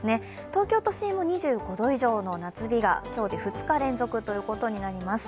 東京都心も２５度以上の夏日が今日で２日連続となります